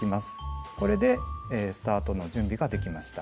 これでスタートの準備ができました。